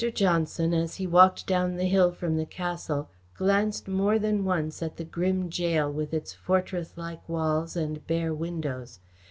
Johnson, as he walked down the hill from the Castle, glanced more than once at the grim jail with its fortress like walls and bare windows.